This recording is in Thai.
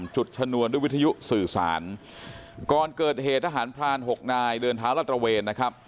ชนวนด้วยวิทยุสื่อสารก่อนเกิดเหตุทหารพรานหกนายเดินเท้าลาดตระเวนนะครับ